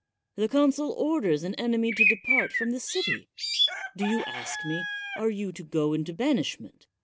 The consul orders an enemy to depart from the city. Do you ask me, Are you to go into banishment?